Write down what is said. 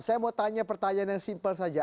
saya mau tanya pertanyaan yang simpel saja